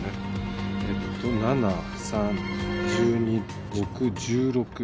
えーっと７３１２６１６。